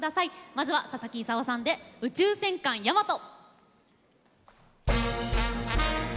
まずはささきいさおさんで「宇宙戦艦ヤマト」。